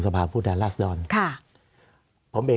สวัสดีครับทุกคน